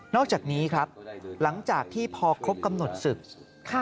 อกจากนี้ครับหลังจากที่พอครบกำหนดศึก